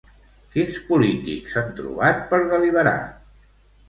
Quins polítics s'han trobat per deliberar?